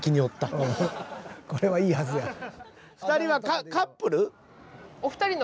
これはいいはずや。